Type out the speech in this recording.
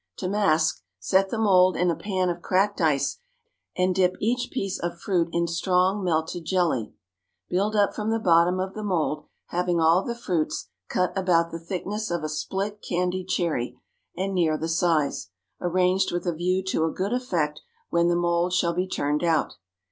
To mask, set the mould in a pan of cracked ice, and dip each piece of fruit in strong melted jelly; build up from the bottom of the mould having all the fruits, cut about the thickness of a split candied cherry and near the size, arranged with a view to a good effect when the mould shall be turned out.